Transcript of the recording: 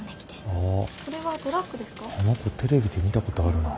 ああの子テレビで見たことあるな。